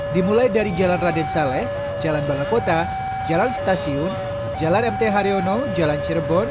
dimulai dari jalan raden saleh jalan balakota jalan stasiun jalan mt haryono jalan cirebon